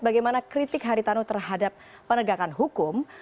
bagaimana kritik haritano terhadap penegakan hukum